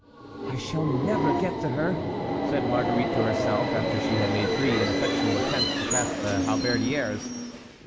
"I shall never get to her," said Marguerite to herself after she had made three ineffectual attempts to pass the halberdiers.